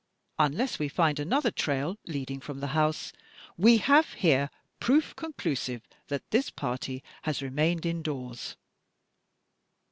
Unless we find another trail, leading from the house, we have here proof conclusive that this party has remained indoors."